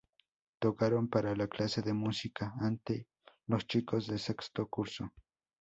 Tocaron para la clase de música, ante los chicos de sexto curso.